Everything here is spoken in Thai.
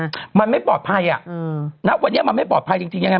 อืมมันไม่ปลอดภัยอ่ะอืมณวันนี้มันไม่ปลอดภัยจริงจริงยังไง